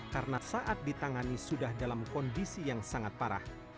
karena saat ditangani sudah dalam kondisi yang sangat parah